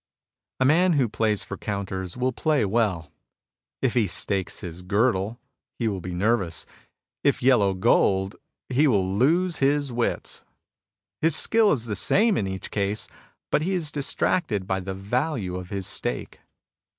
A man who plays for counters will play well. If he stakes his girdle,^ he will be nervous ; if yellow gold, he wiU lose his wits. His skill is the same in each case, but he is distracted by the value of his stake.